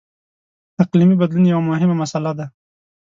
• اقلیمي بدلون یوه مهمه مسله ده.